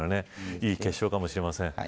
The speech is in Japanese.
いい決勝かもしれません。